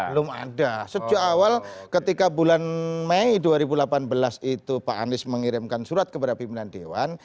belum ada sejak awal ketika bulan mei dua ribu delapan belas itu pak anies mengirimkan surat kepada pimpinan dewan